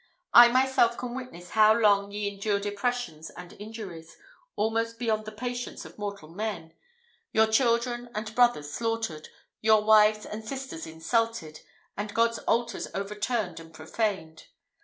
I myself can witness how long ye endured oppressions and injuries, almost beyond the patience of mortal men your children and brothers slaughtered, your wives and sisters insulted, and God's altars overturned and profaned.